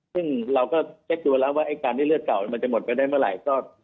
ซึ่งเราก็เช็คดูแล้วว่าไอ้การได้เลือดเก่ามันจะหมดไปได้เมื่อไหร่